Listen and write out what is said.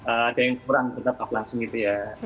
ada yang kurang tetap langsung gitu ya